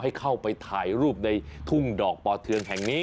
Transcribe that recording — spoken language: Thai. ให้เข้าไปถ่ายรูปในทุ่งดอกปอเทืองแห่งนี้